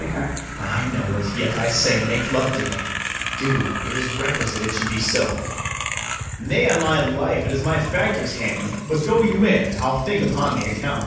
BARABAS. I know it: yet, I say, make love to him; Do, it is requisite it should be so. [Aside to her.] Nay, on my life, it is my factor's hand; But go you in, I'll think upon the account.